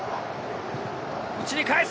内に返す！